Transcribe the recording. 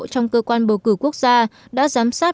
trong cơ quan bầu cử quốc gia đã giám sát